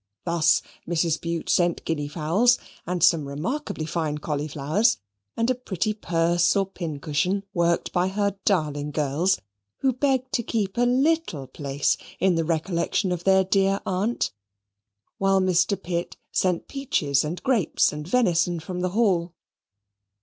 Thus Mrs. Bute sent guinea fowls, and some remarkably fine cauliflowers, and a pretty purse or pincushion worked by her darling girls, who begged to keep a LITTLE place in the recollection of their dear aunt, while Mr. Pitt sent peaches and grapes and venison from the Hall.